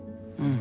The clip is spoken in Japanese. うん。